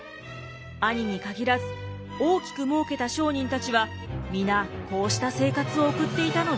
兄に限らず大きくもうけた商人たちは皆こうした生活を送っていたのです。